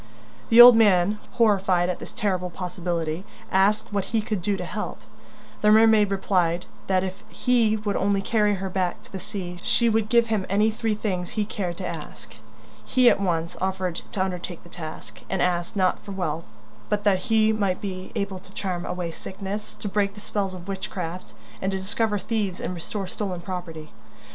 The old man, horrified at this terrible possibility, asked what he could do to help. The mermaid replied that if he would only carry her back to the sea, she would give him any three things he cared to ask. He at once offered to undertake the task, and asked, not for wealth, but that he might be able to charm away sickness, to break the spells of witchcraft, and to discover thieves and restore stolen property.